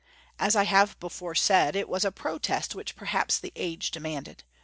As I have before said, it was a protest which perhaps the age demanded.